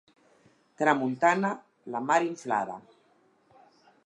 Tramuntana, la mar inflada.